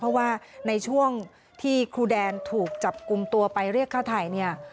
เพราะว่าในช่วงที่ครูแดนถูกจับกลุ่มตัวไปเรียกฆ่าไทยเนี่ย